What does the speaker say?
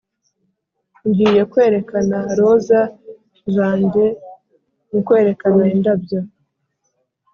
ngiye kwerekana roza zanjye mu kwerekana indabyo.